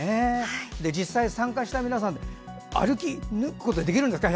実際参加した皆さん歩きぬくことができるんですか？